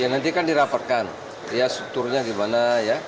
nanti kan dirapatkan strukturnya bagaimana